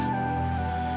dia emang ada di jakarta